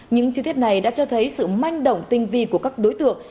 những chi tiết này đã cho thấy sự manh động tinh vi của các đối tượng